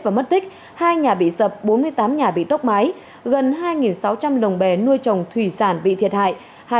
và mất tích hai nhà bị sập bốn mươi tám nhà bị tốc mái gần hai sáu trăm linh lồng bè nuôi trồng thủy sản bị thiệt hại